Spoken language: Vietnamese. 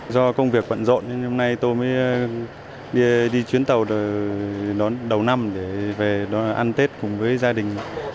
do công việc vẫn rộn hôm nay tôi mới đi chuyến tàu đầu năm để về ăn tết cùng với gia đình